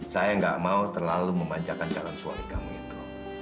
saya gak mau terlalu memanjakan jalan suami kamu itu